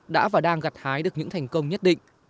đã và đang gặt hái được những thành công nhất định